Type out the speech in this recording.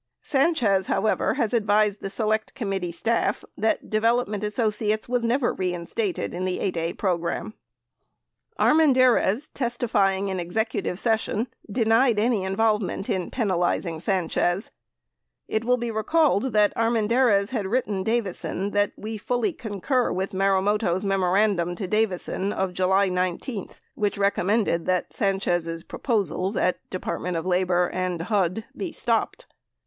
Sanchez, how ever, has advised the Select Committee staff that Development Asso ciates was never reinstated in the 8(a) program. Armendariz, testifying in executive session, denied any involvement in penalizing Sanchez. It will be recalled that Armendariz had writ ten Davison that "we fully concur" with Marumoto's memorandum to Davison of July 19 which recommended that Sanchez' proposals at DOL and HUD be stopped.